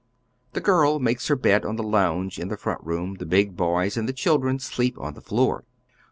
Tlie girl makes her bed on the lounge in the front room ; tlie big boys and the children sleep on tlie floor.